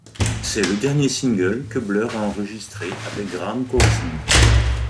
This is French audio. C'est le dernier single que Blur a enregistré avec Graham Coxon.